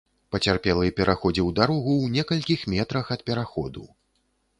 Пацярпелы пераходзіў дарогу ў некалькіх метрах ад пераходу.